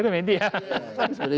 itu sudah jadi